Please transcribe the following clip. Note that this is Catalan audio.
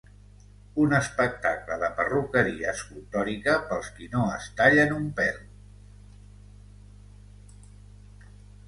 Un espectacle de perruqueria escultòrica pels qui no es tallen un pèl.